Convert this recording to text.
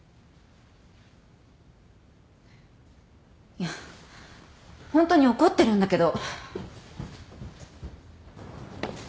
いやホントに怒ってるんだけど。